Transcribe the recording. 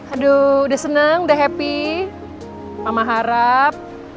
aduh udah seneng deh happy mama harap